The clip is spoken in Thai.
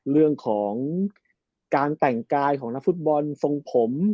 เรื่องของการแต่งกายของนักฟุตบอลทรงผม